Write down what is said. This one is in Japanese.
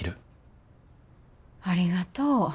ありがとう。